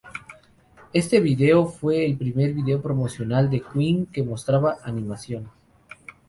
Este video fue el primer vídeo promocional de Queen que mostraba animación.